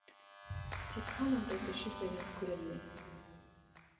Тик һаман да кеше-фәлән күренмәй.